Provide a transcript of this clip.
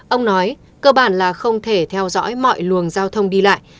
ông nói cơ bản là không thể theo dõi mọi luồng giao thông đi lại